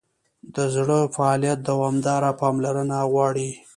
د زړه فعالیت دوامداره پاملرنه غواړي.